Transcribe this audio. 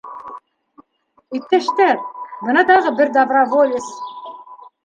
— Иптәштәр, бына тағы бер доброволец.